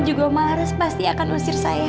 juga om malharas pasti akan usir saya